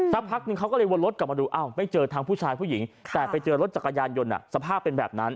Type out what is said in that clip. สักพักนึงเขาก็เลยวนรถกลับมาดูอ้าวไม่เจอทั้งผู้ชายผู้หญิงแต่ไปเจอรถจักรยานยนต์สภาพเป็นแบบนั้น